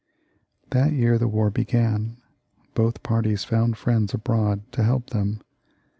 That year the war began : both parties found friends abroad to help them.